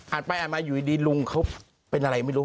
ไปอ่านมาอยู่ดีลุงเขาเป็นอะไรไม่รู้